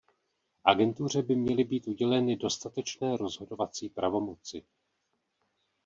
Agentuře by měly být uděleny dostatečné rozhodovací pravomoci.